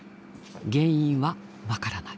原因は分からない。